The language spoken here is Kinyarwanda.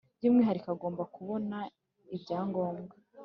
by umwihariko agomba kubona ibyangombwa